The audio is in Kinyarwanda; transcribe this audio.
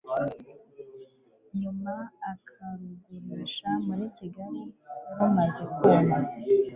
nyuma akarugurisha muri Kigali rumaze kuma